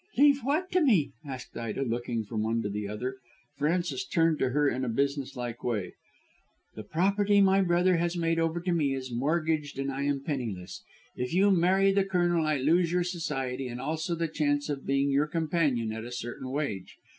"Leave what to me?" asked Ida, looking from one to the other. Frances turned to her in a business like way. "The property my brother has made over to me is mortgaged and I am penniless. If you marry the Colonel I lose your society and also the chance of being your companion at a certain wage.